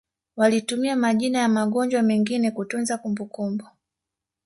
walitumia majina ya magonjwa mengine kutunza kumbukumbu